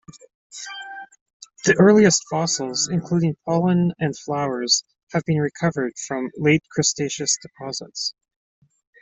The earliest fossils, including pollen and flowers, have been recovered from late Cretaceous deposits.